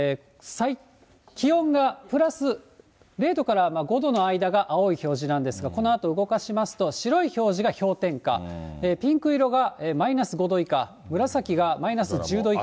気温がプラス０度から５度の間が青い表示なんですが、このあと動かしますと、白い表示が氷点下、ピンク色がマイナス５度以下、紫がマイナス１０度以下。